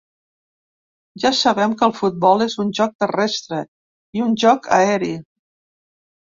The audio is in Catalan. Ja sabem que el futbol és un joc terrestre i un joc aeri.